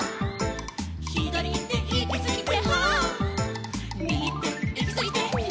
「ひだりいっていきすぎて」